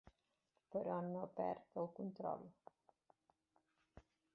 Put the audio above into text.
Però no perd el control.